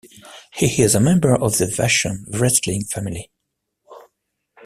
He is a member of the Vachon wrestling family.